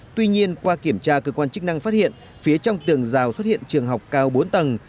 tuy nhiên qua kiểm tra cơ quan chức năng phát hiện phía trong tường rào xuất hiện trường học cao bốn tầng